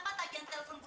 apaan sih ini